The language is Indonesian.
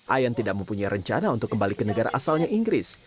ayan tidak mempunyai rencana untuk kembali ke negara asalnya inggris